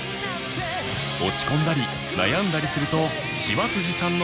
落ち込んだり悩んだりすると芝さんの元へ